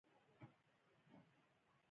ګلاب د خوبونو حقیقت دی.